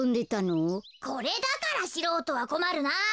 これだからしろうとはこまるな。